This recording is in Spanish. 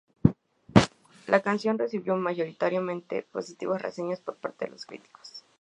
La canción recibió mayoritariamente positivas reseñas por parte de los críticos.